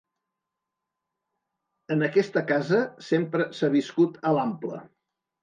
En aquesta casa sempre s'ha viscut a l'ample.